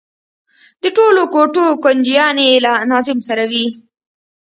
د ټولو کوټو کونجيانې له ناظم سره وي.